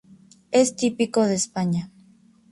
Es típico de España.